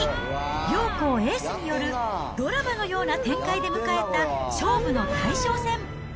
両校エースによる、ドラマのような展開で迎えた勝負の大将戦。